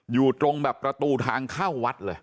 อยู่ตรงแบบประตูทางเข้าวัดเลย